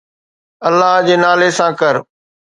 الله جي نالي سان ڪر